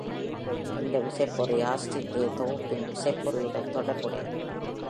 இந்த விசைப்பொறி Austin A- தொகுப்பின் விசைப்பொறியுடன் தொடர்புடையது.